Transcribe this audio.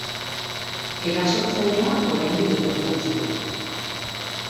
Erasotzailea oraindik ez dute atxilotu.